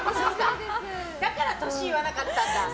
だから年言わなかったんだ。